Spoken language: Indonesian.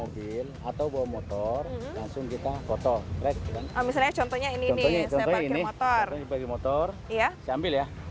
foto ya pelatnya